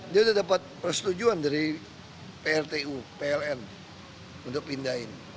dia sudah dapat persetujuan dari prtu pln untuk pindahin